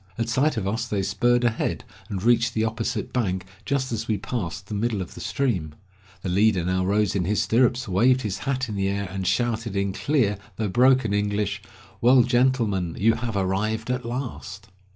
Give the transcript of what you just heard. At sight of us they spurred ahead, and reached the opposite bank just as we passed the middle of the stream. The leader now rose in his stirrups, waved his hat in the air and shouted, in clear though broken English, "Well, gentlemen, you have arrived at last!"